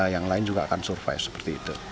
yang lain juga akan survive seperti itu